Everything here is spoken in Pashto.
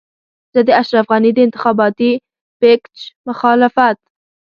زه د اشرف غني د انتخاباتي پېکج مخالفت.